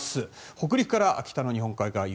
北陸から北の日本海側、雪。